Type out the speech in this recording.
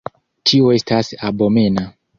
Ĉio estas abomena.